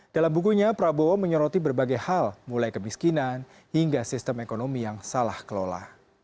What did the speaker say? dalam bukunya prabowo menyoroti berbagai hal mulai kemiskinan hingga sistem ekonomi yang salah kelola